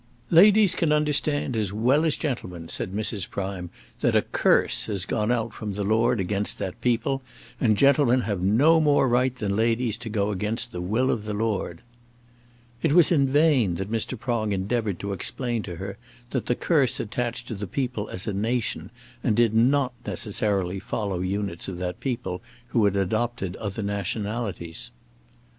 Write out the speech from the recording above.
"Ladies can understand as well as gentlemen," said Mrs. Prime, "that a curse has gone out from the Lord against that people; and gentlemen have no more right than ladies to go against the will of the Lord." It was in vain that Mr. Prong endeavoured to explain to her that the curse attached to the people as a nation, and did not necessarily follow units of that people who had adopted other nationalities.